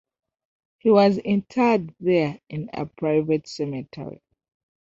He was interred there in a private cemetery.